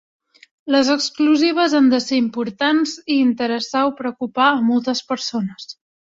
Les exclusives han de ser importants i interessar o preocupar a moltes persones.